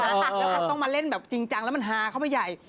แล้วเขาต้องมาเล่นแบบจริงจังแล้วมันฮาเข้าไปใหญ่